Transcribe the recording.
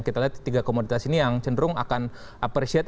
kita lihat tiga komoditas ini yang cenderung akan appreciate